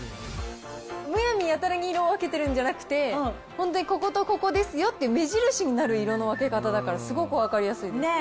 むやみやたらに色を分けるんじゃなくて、本当にこことここですよって目印になる色の分け方だから、すごくね。